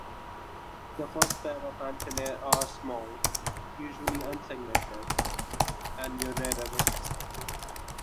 The first pair of antennae are small, usually unsegmented, and uniramous.